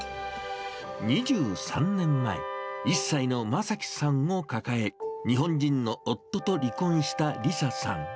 ２３年前、１歳の正樹さんを抱え、日本人の夫と離婚した理沙さん。